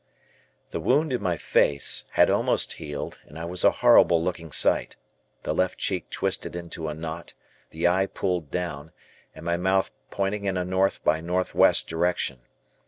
The wound in my face had almost healed and I was a horrible looking sight the left cheek twisted into a knot, the eye pulled down, and my mouth pointing in a north by northwest direction.